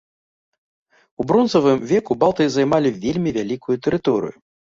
У бронзавым веку балты займалі вельмі вялікую тэрыторыю.